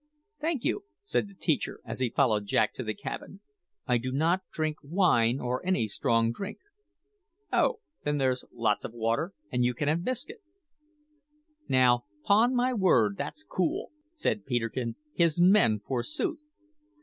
"Thank you," said the teacher as he followed Jack to the cabin; "I do not drink wine or any strong drink." "Oh! then there's lots of water, and you can have biscuit." "Now, 'pon my word, that's cool!" said Peterkin; "his men, forsooth!